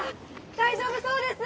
大丈夫そうです・